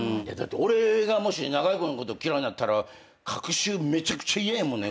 俺がもし中居君のこと嫌いになったらかく週めちゃくちゃ嫌やもんね